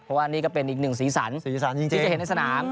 เพราะว่านี่ก็เป็นอีกหนึ่งสีสันที่จะเห็นในสนาม